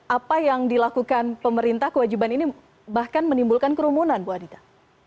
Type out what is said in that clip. apa yang dilakukan pemerintah kewajiban ini bahkan menimbulkan kerumunan bu adita